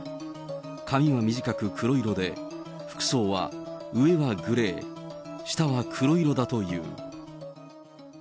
髪は短く黒色で、服装は上はグレー、下は黒色だという。